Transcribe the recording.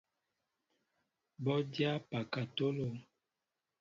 Bɔ dyá pakatolo.